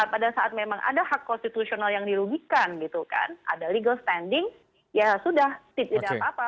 pada saat memang ada hak konstitusional yang dirugikan gitu kan ada legal standing ya sudah tidak apa apa